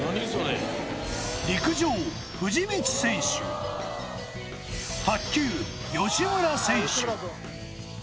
陸上藤光選手卓球吉村選手